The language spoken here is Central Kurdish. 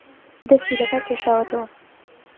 دەستی لەکار کێشاوەتەوە